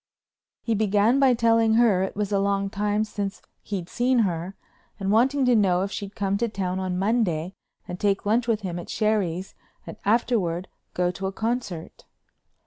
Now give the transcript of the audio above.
He began by telling her it was a long time since he'd seen her and wanting to know if she'd come to town on Monday and take lunch with him at Sherry's and afterward go to a concert.